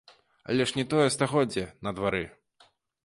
Але ж не тое стагоддзе на двары.